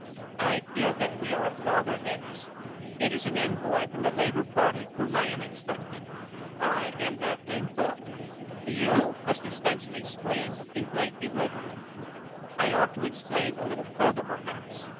"I fear that we are at loggerheads. It is an envoy from the Labour Party whom I am expecting." "I am that envoy." "You?" Mr. Stenson exclaimed, in blank bewilderment. "I ought to explain a little further, perhaps.